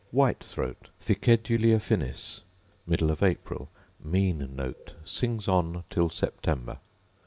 White throat, Ficedulae affinis: Middle of April: mean note; sings on till September.